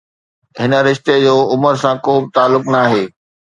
هن رشتي جو عمر سان ڪو به تعلق ناهي.